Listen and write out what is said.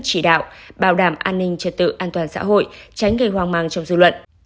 chỉ đạo bảo đảm an ninh trật tự an toàn xã hội tránh gây hoang mang trong dư luận